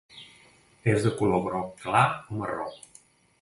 És de color groc clar o marró.